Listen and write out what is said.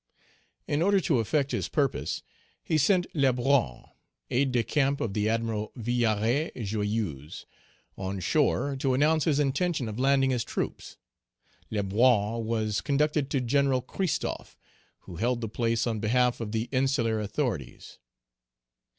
In order to effect his purpose, he sent Lebrun, aide de camp of the admiral Villaret Joyeuse, on shore, to announce his intention of landing his troops. Lebrun was conducted to General Christophe, who held the place on behalf of the insular authorities.